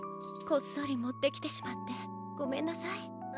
こっそりもってきてしまってごめんなさい。